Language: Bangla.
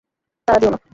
তাড়া দিও না।